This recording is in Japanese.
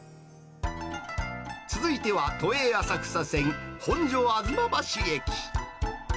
続いては、都営浅草線本所吾妻橋駅。